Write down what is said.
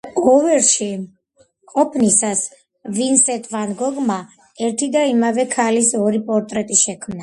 ოვერში ყოფნისას ვინსენტ ვან გოგმა ერთი და იმავე ქალის ორი პორტრეტი შექმნა.